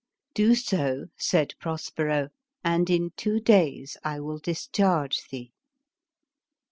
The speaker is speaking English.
"Do so," said Prospero, "and in two days I will discharge thee."